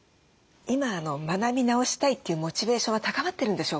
今学び直したいというモチベーションは高まってるんでしょうか？